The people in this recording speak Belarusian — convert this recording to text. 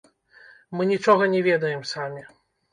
Мы нічога не ведаем самі.